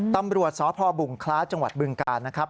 ตำรวจสพบุงคล้าจังหวัดบึงกาลนะครับ